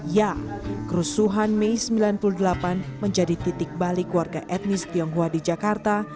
ya kerusuhan mei seribu sembilan ratus sembilan puluh delapan menjadi titik balik warga etnis tionghoa di jakarta